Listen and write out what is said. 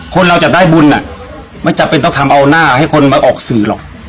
คนเราจะได้บุญอ่ะไม่จำเป็นต้องทำเอาหน้าให้คนมาออกสื่อหรอก